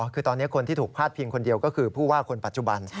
คือตอนนี้คนที่ถูกพลาดพิงคนเดียวก็คือผู้ว่าคนปัจจุบัน